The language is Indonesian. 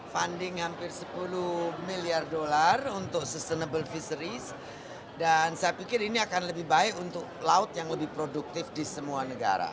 funding hampir sepuluh miliar dolar untuk sustainable fisheries dan saya pikir ini akan lebih baik untuk laut yang lebih produktif di semua negara